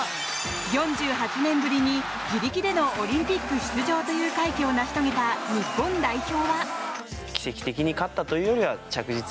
４８年ぶりに自力でのオリンピック出場という快挙を成し遂げた日本代表。